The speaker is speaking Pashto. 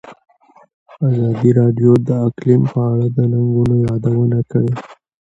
ازادي راډیو د اقلیم په اړه د ننګونو یادونه کړې.